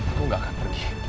aku gak akan pergi